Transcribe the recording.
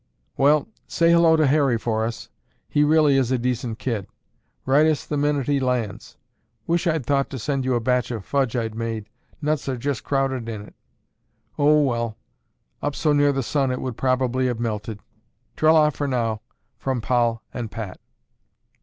"Well, say hello to Harry for us. He really is a decent kid. Write us the minute he lands. Wish I'd thought to send you a batch of fudge I'd made. Nuts are just crowded in it. Oh, well, up so near the sun it would probably have melted. Tra la for now. From Poll and Pat."